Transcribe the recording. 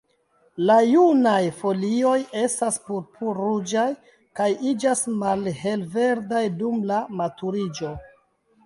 La junaj folioj estas purpur-ruĝaj, kaj iĝas malhelverdaj dum la maturiĝo.